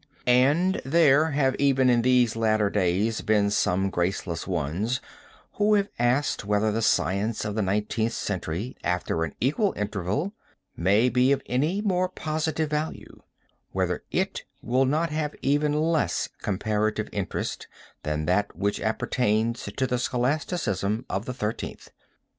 _And there, have even, in these latter days, been some graceless ones who have asked whether the Science of the nineteenth century, after an equal interval, will be of any more positive value whether it will not have even less comparative interest than that which appertains to the Scholasticism of the Thirteenth."